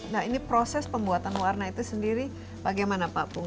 nah ini proses pembuatan warna itu sendiri bagaimana pak pung